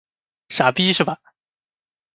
傻逼是吧？